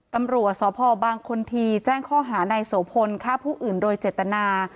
ตำรวจสพบางคนทีแจ้งข้อหานายโสพลฆ่าผู้อื่นโดยเจตนา